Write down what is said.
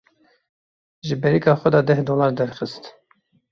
Ji bêrîka xwe deh dolar derxist.